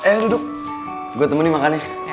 eh duduk gue temenin makannya